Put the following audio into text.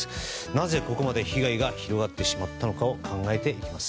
なぜ、ここまで被害が広がってしまったのかを考えていきます。